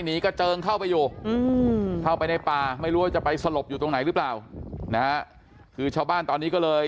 กระเจิงเข้าไปอยู่เข้าไปในป่าไม่รู้ว่าจะไปสลบอยู่ตรงไหนหรือเปล่านะฮะคือชาวบ้านตอนนี้ก็เลย